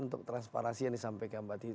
untuk transparasi yang disampaikan mbak titi